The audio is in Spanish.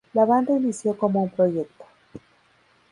La banda inició como un proyecto.